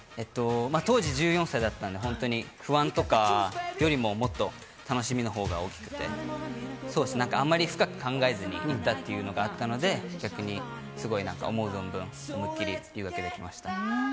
当時１４歳だったんで不安とかよりも楽しさのほうが大きくて、あんまり深く考えずにいったのがあったので、逆に思う存分思いっきり留学できました。